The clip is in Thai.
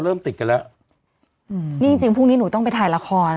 ติดกันแล้วอืมนี่จริงจริงพรุ่งนี้หนูต้องไปถ่ายละคร